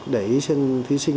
để ý xem thí sinh